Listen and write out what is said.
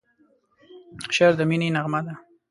شعر د مینې نغمه ده.